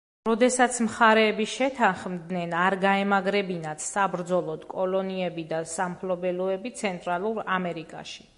როდესაც მხარეები შეთანხმდნენ არ გაემაგრებინათ საბრძოლოდ კოლონიები და სამფლობელოები ცენტრალურ ამერიკაში.